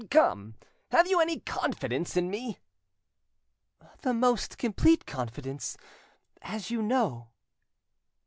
Come, have you any confidence in me?" "The most complete confidence, as you know."